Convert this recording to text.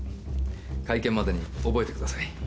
会見までに覚えてください。